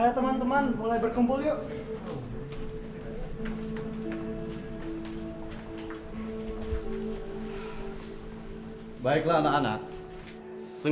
kenapa anak saya kayak begini